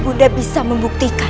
ibunda bisa membuktikan